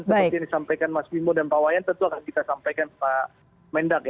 seperti yang disampaikan mas bimo dan pak wayan tentu akan kita sampaikan pak mendak ya